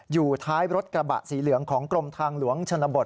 อยู่ท้ายรถกระบะสีเหลืองของกรมทางหลวงชนบท